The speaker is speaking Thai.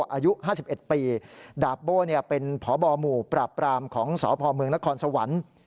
อายุ๕๑ปีดาบโบ้เป็นพบหมู่ปราบปรามของสพเมืองนครสวรรค์